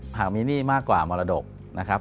หากมีหนี้มากกว่ามรดกนะครับ